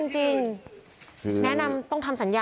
สิ่งอื่น